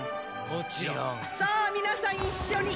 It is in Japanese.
もちろんさあ皆さん一緒に！